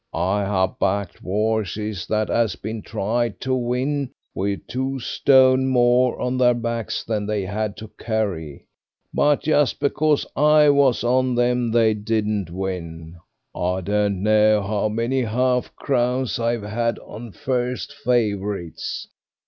I have backed 'orses that 'as been tried to win with two stone more on their backs than they had to carry, but just because I was on them they didn't win. I don't know how many half crowns I've had on first favourites.